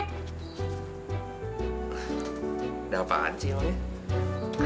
ada apaan sih om mbak